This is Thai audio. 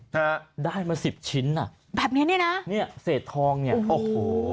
นะฮะได้มาสิบชิ้นอ่ะแบบเนี้ยเนี้ยนะเนี้ยเศษทองเนี้ยโอ้โห